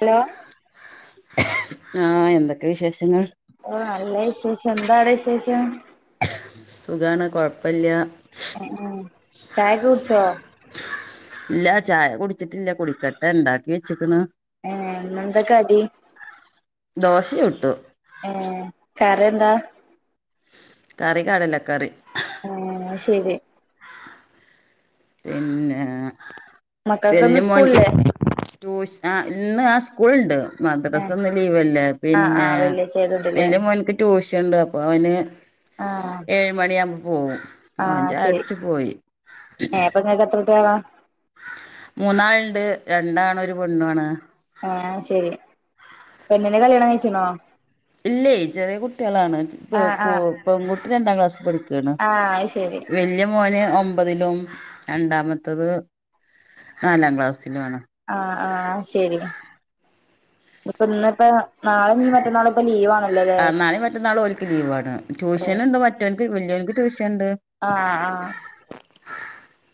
Hello ആഹ് എന്തൊക്കെ വിശേഷങ്ങൾ ഓ നല്ല വിശേഷം എന്താവിടെ വിശേഷം സുഖാണ് കൊഴപ്പല്ല്യ എയ് ചായക്കെ കുടിച്ചോ ഇല്ല ചായ കുടിച്ചിട്ടില്ല കുടിക്കട്ടെ ണ്ടാക്കി വെച്ചിക്ക്ണ് ഏഹ് ഇന്നെന്താ കടി ദോശയുട്ടു എഹ് കറിന്താ കറി കടലകറി ഏ അത് ശരി പിന്നെ വല്യ മക്കൾക്കൊന്നും മോൻച്ചി സ്കൂളില്ലേ ട്യൂഷ ഇന്ന് ആഹ് സ്കൂളണ്ട് ഏ മദ്രാസന്ന് ലീവല്ലേ ആ ആ പിന്നെ വെള്ളിയാഴ്ച ആയതോണ്ടല്ലേ വല്ല്യ മോനക്ക് ട്യൂഷൻണ്ട് അപ്പൊ അവന് ആ ഏഴ് മണിയാവുമ്പോൾ പോവും ആ ഓൻ ശരി ചെയ്യുടിച്ചു പോയി ഏ അപ്പൊങ്ങക്ക് എത്രുട്ട്യാളാ മൂന്നാള്ണ്ട് രണ്ടാണും ഒരു പെണ്ണു ആണ് ആഹ് ശരി പെണ്ണിനെ കല്യാണം കഴ്ച്ച്ണോ ഇല്ലേയ് ചെറിയ കുട്ട്യാളാണ് പെ ആ ആ കു പെൺകുട്ടി രണ്ടാം ക്ലാസ് പഠിക്ക ആ അത് ശരി വല്യയ മോന് ഒ മ്പതിലും രണ്ടാമത്തത് നാലാം ക്ലാസ്സിലും ആണ് ആഹ് ആഹ് ശരി ഇപ്പൊന്നിപ്പോ നാളെഞ്ഞി മറ്റന്നാളൊക്കെ ലീവാണല്ലോല്ലേ നാളീം മറ്റന്നാളും ഓൽക്ക് ലീവാണ് ട്യൂഷന്ണ്ട് മറ്റോൻക്ക് വല്യോൻക്ക് ട്യൂഷന്ണ്ട് ആഹ് ആഹ്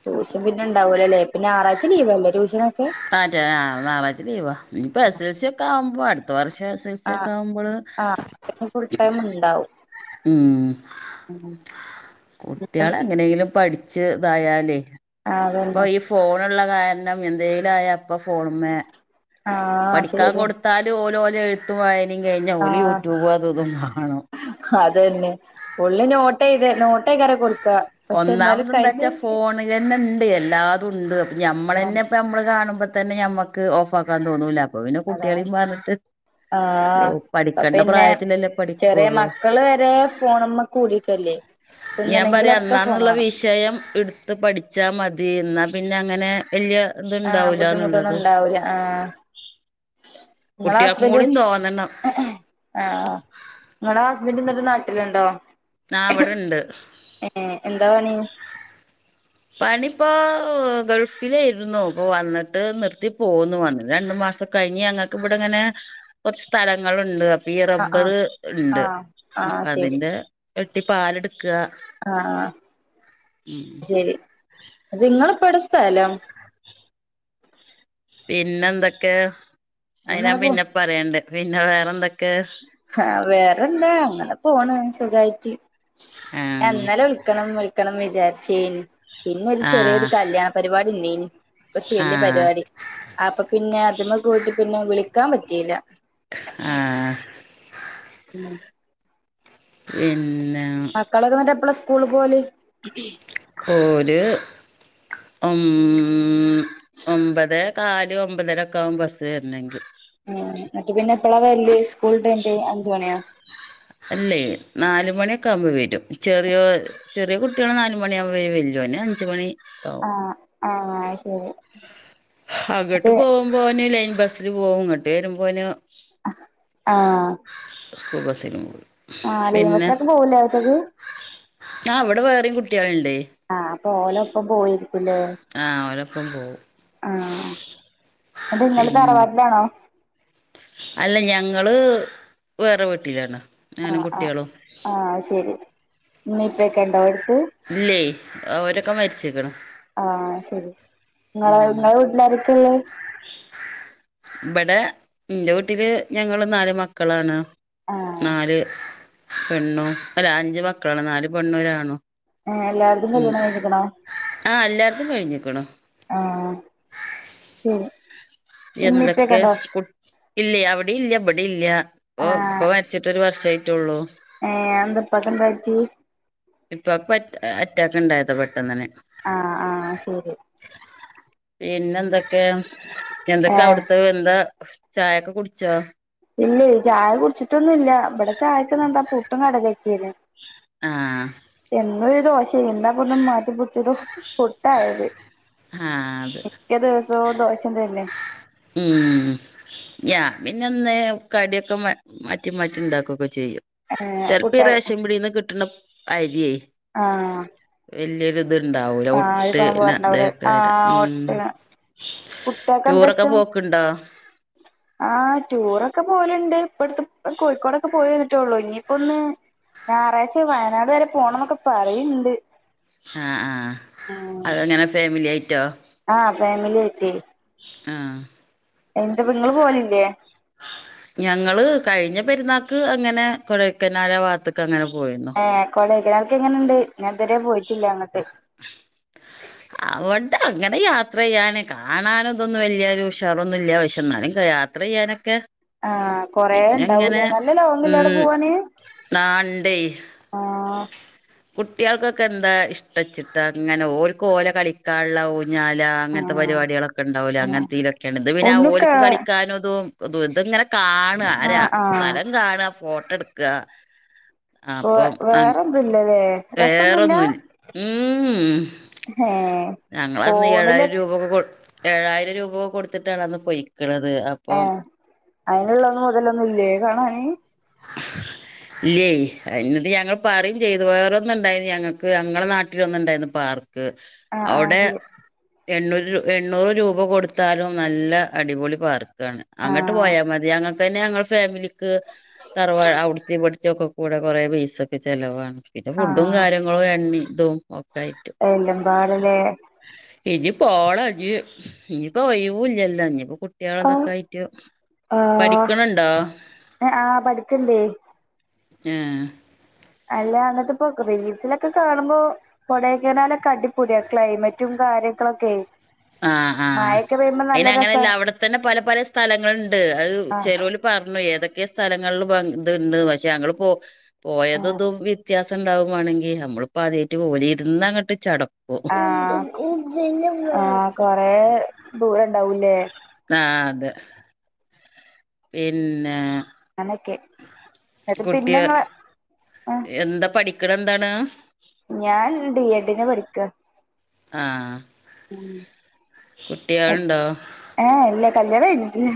ട്യൂഷൻ പിന്നെണ്ടാവൂലലേ പിന്നാറാഴ്ച ലീവല്ലേ ട്യൂഷനൊക്കെ അതെ ആഹ് ഞാറാഴ്ച ലീവാ ഇനിപ്പോ എസ് എൽ സി ഒക്കാവുമ്പോ അടുത്ത വർഷം എസ് എൽ സി സി ആ ക്കാവുബള് ആഹ് അയിന് ഫുൾ ടൈം ഉം ഉം കുട്ട്യാളെങ്ങനേലും പഠിച്ച്തായാലേ ഇപ്പൊ അതന്നെ ഈ ഫോണ്ള്ള കാരണം എന്തേലും ആയാപ്പ ഫോണ് മ്മേ ആഹ് പഠിക്കാൻ ശരിയ കൊടുത്ത ത്താല് ഓലോലോലെഴുത്തും വയനിം കഴിഞ്ഞാ ഓല് യൂട്യൂബും അതുതും കാണും ഹതന്നെ ഫുള്ള് നോട്ടെയ്തെ നോട്ടേക്കാരം കൊട്ക്ക ഒന്നാമതെന്താച്ചാ ഫോണ്ലെന്നെണ്ട് എല്ലാതുംണ്ട് അപ്പൊ ഞമ്മളെന്നെ നമ്മള് കാണുമ്പോ തന്നെ ഞമ്മക്ക് ഓഫാക്കാൻ തോന്നൂല അപ്പൊ പിന്നെ കുട്ടികളീം പർഞ്ഞിട്ട് ആഹ പ്പൊപ്പിന്നെ ചെറിയ പഠിക്കുള്ളൂ മക്കള് വരെ ഫോണ്മ്മെ കൂടീക്കല്ലേ ഞാൻ തിന്നണെങ്കിലൊ പറയാ അന്നാന്നുള്ള വിഷയം ഇടുത്ത് പഠിച്ചാ മതി എന്നാ പിന്നെ അങ്ങനെ വല്യ ത്ണ്ടാവൂലാന്നുള്ളത് വൂല ആഹ് കുട്ടികൾക്കും ങ്ങളസ്ബന്റ് കൂടി തോന്നണം ആഹ് ങ്ങള ഹസ്ബന്റ് ന്നട്ട് നാട്ടില്ണ്ടോ ആഹ് വിടെണ്ട് ഏഹ് എന്താപണി പണിപ്പോ ഗൾഫിലേയിർന്നു പ്പ വന്നിട്ട് നിർത്തി പോന്നു വന്നിട്ട് രണ്ട് മാസൊ കഴിഞ്ഞ് ഞങ്ങക്ക്‌ വടെങ്ങനെ കുറച്ച് സ്ഥലങ്ങളുണ്ട് അ ഈ ആഹ് ആഹ് റബ്ബറ് ഇണ്ട് ആഹ് അപ്പൊ ആഹ് ശരി അതിന്റെ വെട്ടി പാല്ട്ക്ക ആഹ് ശരി ദിങ്ങളിപ്പോടെ സ്ഥലം പിന്നെന്തൊക്കെ അയ് അങ്ങനെ ഞാൻ പോ പിന്നെപ്പറയണ്ട് പിന്നെ വേറെന്തൊക്കെ ഹാ വേറെന്താ അങ്ങനെ പോണ് സുഖായ്ട്ട് ആ ഞാൻന്നലെ വിളിക്കണം വിൾക്കണം വിചാര്ച്ചേനി പിന്നൊരു ആ ചെറിയൊരു കല്യാണം പരിപാടില്ലേനി കുർച്ച് ആ വല്യ പരിപാടി അപ്പൊ പിന്നെ അതുമ്മ പോയിട്ടി പിന്നെ വിളിക്കാൻ പറ്റീല ആഹ് ഉം പിന്നെ മക്കളൊക്കെന്നട്ടെപ്പള സ്കൂള് പോവല് ഓല് ഒം ഒമ്പതേ കാല് ഒമ്പതരൊക്കെ ആകും ബസ്സ് വരണെങ്കി ഉം ന്നട്ട് പിന്നെപ്പളാ വരല് സ്കൂളിട്ടയ്ഞ്ഞിട്ട് അഞ്ചു മണിയോ അല്ലേയ് നാലുമണിയൊക്കാവുമ്പോ വരും ചെറിയോ ചെറിയ കുട്ട്യാള് നാല് മണിയാവുമ്പോ വല്ല്യോനഞ്ച് മണിക്കാവും ആഹ് ആഹ് ശരി അങ്ങട്ട് അത് പോവുമ്പോന് ലൈൻ ബസില് പോവും ഇങ്ങട്ട് വരുമ്പോന് ആഹ് സ്കൂൾ ബസിന് പോവും ആഹ് ലൈൻ പിന്നെ ബസിലൊക്കെ പോവൂലേ ഒറ്റക്ക് ആഹ് ഇവടെ വേറിം കുട്ട്യാള്ണ്ടേ ആഹ് അപ്പൊ ഓലോപ്പം പോയിരിക്കൂല്ലേ ആ ഓലൊപ്പം പോവും ആഹ് അത് ഇങ്ങള് പിന്നെ തറവാട്ടിലാണോ? അല്ല ഞങ്ങള് വേറെ വീട്ടിലാണ് ഞാനും ആഹ് ആഹ് കുട്ടികളും ആഹ് ശരി ഇമ്മീം ഇപ്പൊക്കെ ഇണ്ടോ എടുത്ത്? ഇല്ലേ ഓരൊക്കെ മരിച്ച്ക്ക്ണ് ആഹ് ശരി ഇങ്ങള് ഇങ്ങളെ വീട്ടിലാരൊക്കെ ഇള്ളത്? ഇബടെ ഇന്റെ വീട്ടില് ഞങ്ങള് നാല് മക്കളാണ് ആഹ് നാല് പെണ്ണും അല്ല അഞ്ച മക്കളാണ് നാല് പെണ്ണും, ഒരാണും ഏഹ് എല്ലാര്തും ഉം കല്യാണം കഴിഞ്ഞ്ക്ക്ണോ ആഹ് എല്ലാര്ത്തും കഴിഞ്ക്ക്ണ് ആഹ് [unintelligible] ഇമ്മീം എന്തൊക്കെ ഇപ്പെക്കെണ്ടോ കു ഇല്ല അവടെ ഇല്ല ഇവടെ ഇല്ല പ്പോ ഇപ്പ ആഹ് മരിച്ചി ട്ടോര് വർഷയിട്ടുള്ളൂ ഏഹ് എന്താ ഇപ്പാക്ക് എന്താ പറ്റി ഇപ്പാക്ക് പ്പഅറ്റാക്ക് ഇണ്ടായത് പെട്ടന്നന്നെ ആഹ് ആഹ് ശരി പിന്നെ എന്തൊക്കെ എന്തൊക്കെ ഏഹ് അവിടുത്തെ എന്താ ചായക്കെ കുടിച്ചോ? ഇല്ല്യേ ചായ കുടിച്ചിട്ടൊന്നുല്ല ഇവടെ ചായക്ക് ഇന്ന് എന്താ പൂട്ടും കടലിം ആ‌ക്കിണ് ആഹ് എന്നും ഒരു ദോശ ഇന്നാ ഒന്ന് മാറ്റിപിടിച്ചൊരു പുട്ടായത് ആഹ് അത് ക്ക ദിവസവും ദോശ തന്നെ ഉം ഞാൻ പിന്നെന്ന് കടിക്കെ മാറ്റി മാറ്റി ഇണ്ടാക്കൊക്കെ ചെയ്യും ഏഹ് ചെൽപ്പ ഈ കുട്ട്യാൾ റേഷ പിടിന്ന് കിട്ട്ണ അരിയെ ആഹ് വല്യൊരു ത്ണ്ടാവൂല ആഹ് ഒരിക്കൊന്നും ഒട്ട്ണെ പോവാറുണ്ടാവൂല തേക്കാരം ആഹ് ഉം ഒട്ടക കുട്ട്യാക്ക് എന്താ ടൂറൊക്കെ ഇഷ്ടം? പോക്ക്ണ്ടോ ആഹ് ടൂറൊക്കെ പോല്ണ്ട് ഇപ്പട്ത്ത് കോഴിക്കോടൊക്കെ പോയി വന്നിട്ടോള്ളൂ ഇനിപ്പോ ഒന്ന് ഞായറാഴ്ച വയനാട് വരെ പോണം ന്നൊക്കെ പറിണ്ട് ആഹ് ആഹ് അതങ്ങനെ ഫേമിലി ആയിട്ടോ? ആഹ് ഫേമിലി ആയിട്ട് ആഹ് എന്തെപ്പ ഇങ്ങള് പോലില്ലേ? ഞങ്ങള് കഴിഞ്ഞ പെരുന്നാക്ക് അങ്ങനെ കൊടയ്ക്കനാല് ആ ഭാത്ത്ക്ക് അങ്ങനെ പോയിന്നു ഏഹ് കോടയ്കനാൽക്ക് എങ്ങനെണ്ട് ഞാൻ ഇതുവരെ പോയിട്ടില്ല അങ്ങട്ട് [inaudible] [inaudible] [inaudible] അവടെ അങ്ങനെ യാത്ര ചെയ്യാന് കാണാന് ഇതൊന്നും വെല്ല്യോരു ഉഷാറൊന്നും ഇല്ല പക്ഷേ എന്നാലും യാ ത്രയ്യാനൊക്കെ ആഹ് കൊറെ ഇണ്ടാവൂലേ നല്ല ലോങ്ങില്ലേ അവടെ പോവാന്? ആഹ് ഇണ്ടെ ആഹ് കുട്ടികൾക്കൊക്കെ എന്താ ഇഷ്ടച്ചിട്ടാ അങ്ങനെ ഓല്ക് ഓല കളിക്കാനുള്ള ഓല് ഊഞാല അങ്ങനത്തെ ആഹ് പരിപാടികളൊക്കെ ഉണ്ടാവൂലെ ആഹ് അങ്ങന് ത്തിലൊക്കെയാണ് ഇത് പിന്നെ ഒന്നുക്കാ ഓല്ക്ക് കളിക്കാനും ഇതും ത് ഇത് ഇങ്ങനെ കാണ ആഹ് സ്ഥലം കാണ ഫോട്ടട്ക്ക വെ വേറെൊന്തുല്ലലെ വേറന്നുല്ല ഉം ഉം ഏ ഞങ്ങളന്ന് ഏഴായിരം ഫോണിലൊക്കെ രൂപൊക്കെ കൊട്ത്ത് ഏഴായിരം രൂപ കൊട്ത്തിട്ടാണ് അന്ന് പൊയ്ക്ക്ണത് ഏഹ് അയിനുള്ള ന്ന് മൊതലൊന്നുല്ലേ കാണാന് ഇല്ലേയ് ന്നട്ട് ഞങ്ങൾ പറയിം ചെയ്തു വേറൊന്ന് ണ്ടായിരുന്നു ഞങ്ങക്ക് ഞങ്ങളെ നാട്ടിലൊന്നുണ്ടായിന്നു പാർക്ക് പാർക്ക് ആ ആ അവിടെ ശരി എണ്ണൂറ് എണ്ണൂറ് രൂപ കൊടുത്താലും നല്ല അടിപൊളി പാർക്ക് പാർക്കാണ് ആ അങ്ങട്ട് പോയാ മതി അങ്ങത്തന്നെ ഞങ്ങളെ ഫാമിലിക്ക് അവിട്ത്തിം ഇവിടൊക്കെകൂടെ കുറേ പൈസക്ക് ച്ചെലവാണ് പിന്നെ ആ ഫുഡും കാര്യങ്ങളും നിങ്ങൾ എണ്ണിമ് തും ഒക്ക ആയിട്ട് എല്ലമ്പാടെലെ ഇനി പോണ ഞ്ഞി ഇനി ഓയ് വൂല്ലല്ലോ ഇനിപ്പോ ആ കുട്ട്യാളതക്കയിട്ട് പഠിക്ക്ണ് ണ്ടോ ഏഹ് ആഹ് പഠിക്ക്ണ്ടേയ് ഏഹ് അല്ല ന്നിട്ട് പ്പൊ റീൽസിലൊക്കെ കാണുമ്പോ കൊടെക്കനാലൊക്കെ അടിപൊളിയ ക്ലൈമറ്റും കാര്യങ്ങളൊക്കെയ് ആഹ് ആഹ് അയിന് രസാ അങ്ങനല്ല അവ്ട്തന്നെ പല പല സ്ഥലങ്ങളുണ്ട് അത് ആ ചെലോല് പറഞ്ഞു ഏതൊക്കെ സ്ഥലങ്ങളിൽ ത്ണ്ട് പക്ഷെ ഞങ്ങള് പോ ആ പോയത് ഇതും വിത്യ വിത്യാസണ്ടാവു വാണെങ്കി നമ്മളിപ്പോൾ ആദ്യമായിട്ട് പോവല്ലേ ഇര്ന്നങ്ങട്ട് ചടക്കും ആഹ് ആഹ് കൊറെ ദൂരം ണ്ടാവൂല്ലേ ആഹ് അതെ പിന്നെ ങ്ങനൊക്കെ ന്നട്ട് കുട്ടിയ പിന്നെങ്ങള് ആഹ് എന്താ പഠിക്ക്ണെന്താണ് ഞാൻ ഡി എഡിന് പഠിക്ക ആഹ് ഉം കുട്ട്യാള്ണ്ടോ ഏഹ് ഇല്ല കല്യാണം കഴിഞ്ഞിട്ടില്ല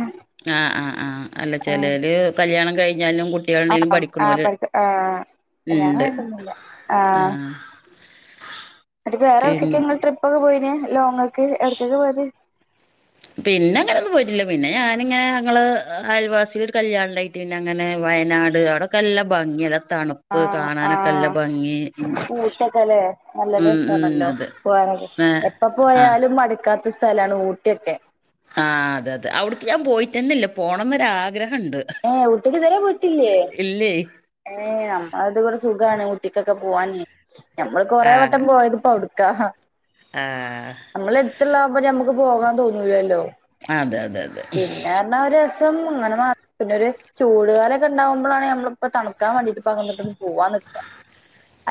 ആഹ് ആഹ് ആഹ് അല്ല ആഹ് ചെലെല് കല്യാണം കഴിഞ്ഞാലും കുട്ട് കുട്ട്യാള് ണ്ടെങ്കിലും ആഹ് ആഹ് പഠിക്ക ആഹ് കല്യാണം പഠിക്ക്ണോല്ണ്ട് കഴിഞ്ഞിട്ടൊന്നുല്ല ആഹ് ന്നട്ട് വേറെവ്ട്ക്കക്കെ പിൻ ങ്ങള് ട്രിപ്പോക്കെ പോയത് ലോങ്ങ്ക്ക് ഒട്ക്കെക്ക പോയത് പിന്നെ അങ്ങനെ ഒന്നും പോയിറ്റില്ല പിന്നെ ഞാനിങ്ങനെ ഞങ്ങൾ അയൽവാസിക്ക് ഒരു കല്യാണണ്ടായ്നു പിന്നെ അങ്ങനെ വയനാട് അവിടെക്കെ നല്ലാ ഭംഗിയല്ലേ തണുപ്പ് കാണാനൊക്കെ ല്ല ഭംഗി ഊട്ടൊക്കെല്ലെ നല്ല ഉം ഉം രസണല്ലോ അതെ പോണത് ഏ എപ്പ ആ പോയാലും മടുക്കാത്ത സ്ഥലാണ് ഊട്ടിയൊക്കെ ആഹ് അതെ അതെ അവിട്ക്ക് ഞാൻ പോയിട്ടെന്നെല്ല പോണംന്നോരാഗ്രഹണ്ട് ഏഹ് ഊട്ടിക്ക് ഇതുവരെ പോയിട്ടില്ലേ ഏഹ് നമ്മളത്ബടെ സുഖാണ് ഊട്ടിക്കൊക്കെ പോവാന് നമ്മള് കൊറെേ വട്ടം പോയത്പ്പോ അവ്ട് അവ്ട്ക്ക ആഹ് നമ്മളെട്ത്ത്ള്ളാവുമ്പോ ഞമ്മക്ക് പോകാൻ തോന്നൂലല്ലോ? അതെ അതെ അതെ ന്നാ ഒരു രസം ഇങ്ങനെ മാ പിന്നൊര് ചൂടുകാലൊക്കെണ്ടാവുമ്പോളാണ് ഞമ്മളിപ്പോ തണുക്കാ വേണ്ടിട്ട് അങ്ങട്ടൊക്കെ പോവാൻ നിക്ക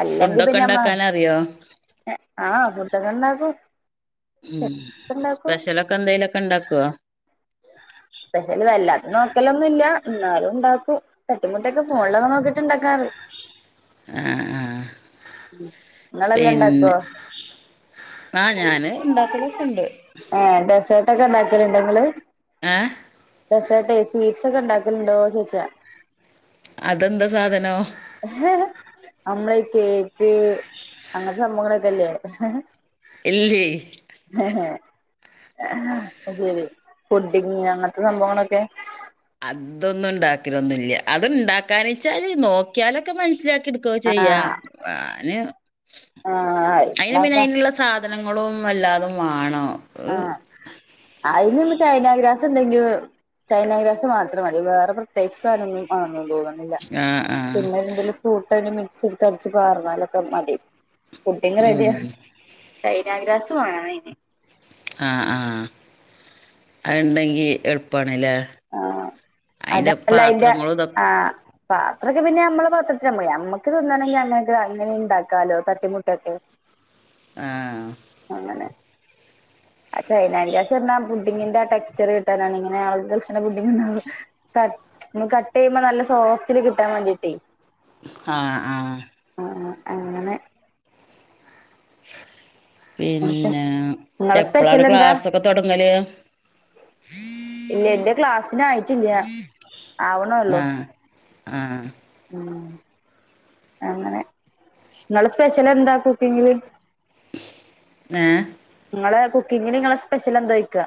അല്ലെങ്കി ഫുഡൊക്കെ പിന്നെ ഉണ്ടാക്കാൻ അറിയോ നമ്മള് ആഹ് ഫുഡൊക്കെണ്ടാക്കും ഉം സ്പെഷ്യലൊക്കെ എന്തേലൊക്കെ ണ്ടാക്കുവോ? സ്പെഷ്യല് വല്ലാത്ത നോക്കലൊന്നുല്ല ന്നാലും ണ്ടാക്കും തട്ടിമുട്ടിയൊക്കെ ഫോണിലൊക്കെ നോക്കിട്ട് ഇണ്ടാക്കാറിം ആ ആ നിങ്ങളെല്ലാം പിന്നെ ഉണ്ടാക്കുവോ ആഹ് ഞാന് ഇണ്ടാക്കലൊക്കെണ്ട് ഏഹ് ഡെസേർട്ട്ക്കെ ഇണ്ടാക്കല്ണ്ടങ്ങള്? ഏഹ് ഡെസേർട്ടേ സ്വീറ്റ്സൊക്കെണ്ടാക്കലുണ്ടോ ചോയ്ച്ചാ? അതെന്താ സാധനം? നമ്മളെ ഈ കേക്ക് അങ്ങനത്തെ സംഭവങ്ങളൊക്കെല്ലേ? ഇല്ല്യേ അഹ് ശരി പുഡിങ് അങ്ങനത്തെ സംഭവങ്ങളൊക്കെ അതൊന്നും ഇണ്ടാക്കലൊന്നുല്ല്യ അത്ണ്ടാക്കാനെച്ചാല് നോക്കിയാലൊക്കെ മനസ്സിലാക്കിടുക്കൊ ക്കെ ചെയ്യാ ആഹ് ഞാന് ആഹ് അയ്നി പിന്നെ ഇണ്ടാക്കാ അയ്ന്ള്ള സാധ നങ്ങളും എല്ലാതും വാണം അയിന് നമ്മ ചൈനഗ്രാസ്ണ്ടെങ്കിലും ചൈനാ ഗ്രാസ് മാത്രം മതി വേറെ പ്രത്യേകിച്ച് സാധനൊന്നും മാണെന്ന് തോന്ന്ണ്ല്ല്യ ഏഹ് ആ ആ പിന്നെന്തേലും ഫ്രൂട്ട് അയ്ന് മിക്സ്ട്ത്തടച്ച് പാർന്നാലൊക്കെ മതി പുഡിംങ്ങ് ഉം റെഡിയാ ചൈനാഗ്രാസ മാണയിന് ആഹ് ആഹ് അഹ്ണ്ടെങ്കി എള്പ്പാണ്ല്ലേ? ആ അതല്ലയിന്റെ ഇതൊക്കെ ആഹ് പാത്രൊക്കെ പിന്നമ്മള് പത്രത്തില പോയി ഞമ്മക്ക തിന്നണെങ്കി അങ്ങനൊക്കെ എങ്ങനീണ്ടാക്കാാലോ? തട്ടിമുട്ടിയൊക്കെ ആഹ് അങ്ങനെ ആ ചൈനാഗ്രാസർഞ്ഞാ ആ പുണ്ടിങ്ങിന്റാ ടെക്സ്ചർ കിട്ടാനാണ്ങ്ങനെ [unintelligible] പുഡിംങ്ങ്ണ്ടാ കട്ട് നമ്മള് കട്ടെയ്യുമ്പോ നല്ല സോഫ്റ്റില് കിട്ടാ വേണ്ടിയ്ട്ടെ ആഹ് ആഹ് അങ്ങനെ എന്നിട്ട് പിന്നെ നിങ്ങളെ എപ്പളാണ് ക്ലാസൊക്കെ തൊടങ്ങല്? ഇല്ല്യ ഇന്റെ ക്ലാസിനായിട്ടില്ല്യ ആവ്ണൊള്ളു ആഹ് ഉം അങ്ങനെ ഇങ്ങളെ സ്പെഷ്യലെന്താ കുക്കിംഗില്? ഏഹ് ഇങ്ങളെ കുക്കിങ്ല്ങ്ങളെ സ്പെഷ്യലെന്തോയിക്ക?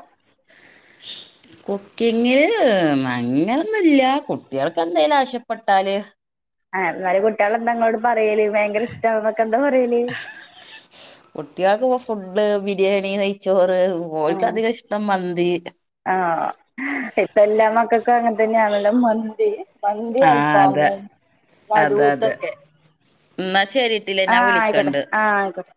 കുക്കിങ്ങില് അങ്ങനൊന്നുല്ല്യ കുട്ടിയൾക്കെന്തേലും ആവശ്യപ്പെട്ടാല് ആ എന്നാലും കുട്ടിയാളെന്താ ഇങ്ങളോട് പറയല് ഭയങ്കരിഷ്ട്ടാണെന്നൊക്കെ എന്താ പറയല് കുട്ട്യാൾക്ക്പ്പം ഫുഡ് ബിരിയാണി, നെയച്ചോറ്, ഓൽകധികഷ്ടം മന്തി ആഹ് ഇപ്പൊ എല്ലാ മക്കക്കും അങ്ങൻ തന്നെയാണല്ലോ മന്തി മന്തി ആ അതെ അൽഫാമ് അതെ അതെ മധൂഹൂത്തൊക്കെ എന്നാ ശരിട്ടില്ലേ ഞാൻ ആഹ് അയിക്കോട്ടെ വിളിക്കണ്ട് ആഹ് അയിക്കോട്ടെ